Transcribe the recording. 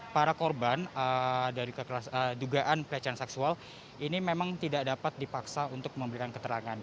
para korban dari dugaan pelecehan seksual ini memang tidak dapat dipaksa untuk memberikan keterangan